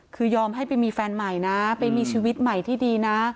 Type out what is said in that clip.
คือยอมให้ไปมีแฟนใหม่นะไปมีชีวิตใหม่ที่ดีนะ